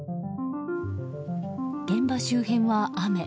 現場周辺は雨。